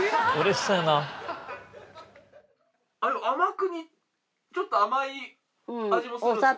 甘くちょっと甘い味もする。